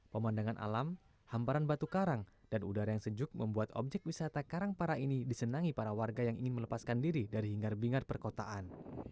pemandangan alam hamparan batu karang dan udara yang sejuk membuat objek wisata karangparah ini disenangi para warga yang ingin melepaskan diri dari hingar bingar perkotaan